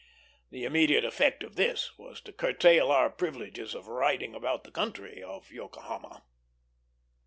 The immediate effect of this was to curtail our privileges of riding about the country of Yokohama.